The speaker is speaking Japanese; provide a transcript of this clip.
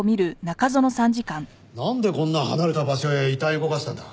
なんでこんな離れた場所へ遺体を動かしたんだ？